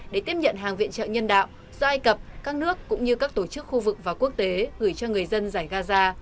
để tiếp nhận hàng viện trợ nhân đạo do ai cập các nước cũng như các tổ chức khu vực và quốc tế gửi cho người dân giải gaza